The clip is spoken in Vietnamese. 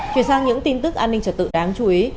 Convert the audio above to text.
chuyển sang những tin tức an ninh trật tự đáng chú ý